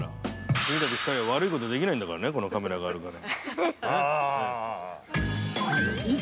君たち、２人は悪いことできないんだからね、このカメラがあるから。